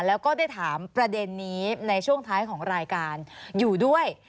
แล้วก็ได้ถามประเด็นนี้ในช่วงท้ายของรายการอยู่ด้วย